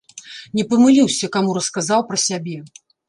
Не памыліўся, каму расказаў пра сябе.